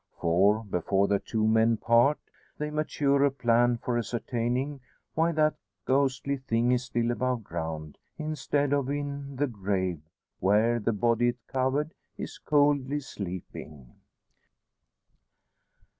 For before the two men part they mature a plan for ascertaining why that ghostly thing is still above ground instead of in the grave, where the body it covered is coldly sleeping!